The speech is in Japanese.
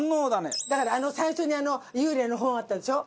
平野：だから、最初に幽霊の本あったでしょ？